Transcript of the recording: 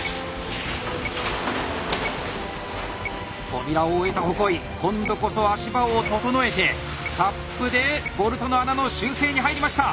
扉を終えた鉾井今度こそ足場を整えてタップでボルトの穴の修正に入りました！